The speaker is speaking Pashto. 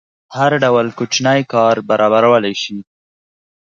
هر ډول کوچنی کار برابرولی شي.